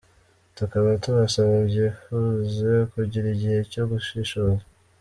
Tukaba tubasaba byifuze kugira igihe cyo gushishoza.